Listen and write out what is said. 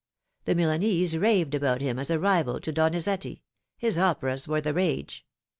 The Milanese raved about him as a rival to Doni zetti ; his operas were the rage.